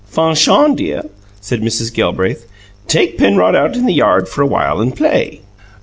"Fanchon, dear," said Mrs. Gelbraith, "take Penrod out in the yard for a while, and play."